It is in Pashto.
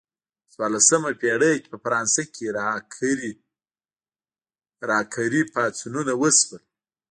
په څوارلسمه پیړۍ کې په فرانسه کې راکري پاڅونونه وشول.